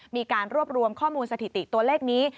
มีการรวบรวมข้อมูลสถิติตัวเลขนี้